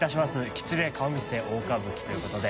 吉例顔見世大歌舞伎」ということで。